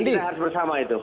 jadi kita harus bersama itu